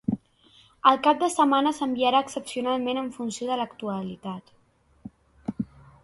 El cap de setmana s’enviarà excepcionalment en funció de l’actualitat.